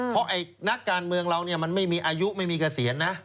เพราะนักการเมืองเรามันไม่มีอายุไม่มีเกษียณนะ